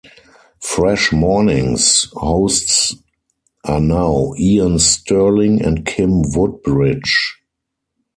Fresh Mornings hosts are now Ian Sterling and Kim Woodbridge.